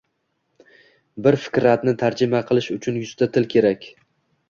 Bir fikratni tarjima qilish uchun yuzta til kerak